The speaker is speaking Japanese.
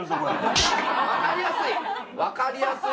分かりやすい。